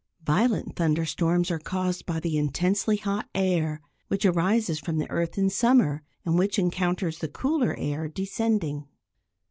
Violent thunder storms are caused by the intensely hot air which arises from the earth in summer, and which encounters the cooler air descending.